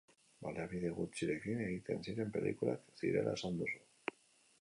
Baliabide gutxirekin egiten ziren pelikulak zirela esan duzu.